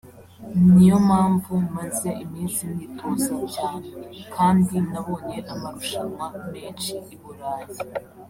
niyo mpamvu maze iminsi nitoza cyane kandi nabonye amarushanwa menshi i Burayi